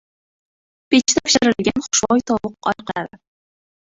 Pechda pishiriladigan xushbo‘y tovuq oyoqlari